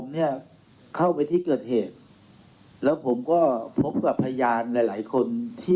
ผมเนี่ยเข้าไปที่เกิดเหตุแล้วผมก็พบกับพยานหลายหลายคนที่